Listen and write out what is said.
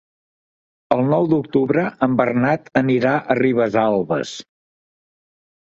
El nou d'octubre en Bernat anirà a Ribesalbes.